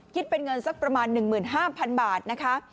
คิดเป็นเงินสักประมาณ๑๕๐๐๐บาทนะคะ